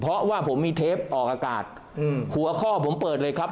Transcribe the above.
เพราะว่าผมมีเทปออกอากาศหัวข้อผมเปิดเลยครับ